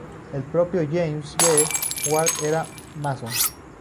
El propio James B. Ward era masón.